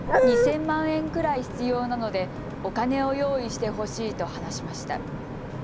２０００万円くらい必要なのでお金を用意してほしいと話しました。